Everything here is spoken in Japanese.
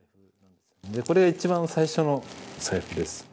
これ一番最初の財布です。